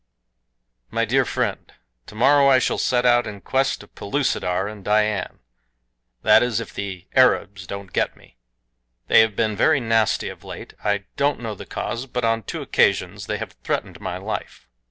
MY DEAR FRIEND: Tomorrow I shall set out in quest of Pellucidar and Dian. That is if the Arabs don't get me. They have been very nasty of late. I don't know the cause, but on two occasions they have threatened my life.